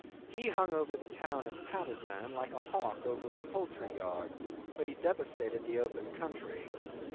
He hung over the town of Patusan like a hawk over a poultry yard, but he devastated the open country.